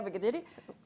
jadi kita sudah dapat